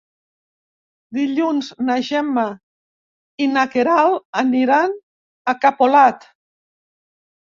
Dilluns na Gemma i na Queralt aniran a Capolat.